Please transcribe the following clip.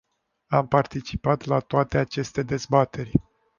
Am participat la toate aceste dezbateri.